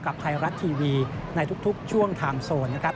กับไทยรัฐทีวีในทุกช่วงทางโซนนะครับ